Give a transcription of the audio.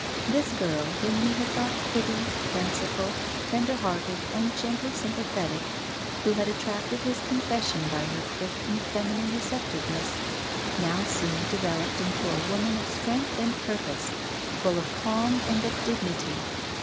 This girl, whom he had thought pretty, fanciful, tender hearted and gently sympathetic, who had at tracted his confession by her quick and feminine re ceptiveness, now seemed developed into a woman of strength and purpose, full of calm and of dig nity.